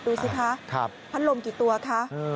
ดูสิคะพัดลมกี่ตัวคะ